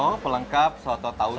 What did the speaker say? ini dia tauco pelengkap soto tauco